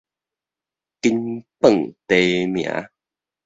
金榜題名